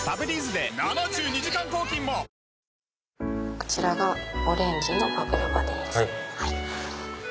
こちらがオレンジのパブロバです。